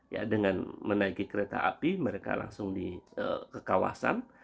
ya dengan menaiki kereta api mereka langsung ke kawasan